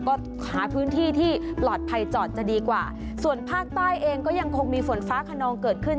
ก็หาพื้นที่ที่ปลอดภัยจอดจะดีกว่าส่วนภาคใต้เองก็ยังคงมีฝนฟ้าขนองเกิดขึ้น